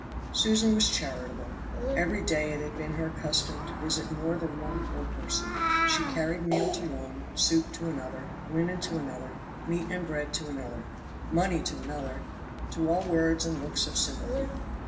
Susan was charitable. Every day it had been her custom to visit more than one poor person; she carried meal to one, soup to another, linen to another, meat and bread to another, money to another to all words and looks of sympathy.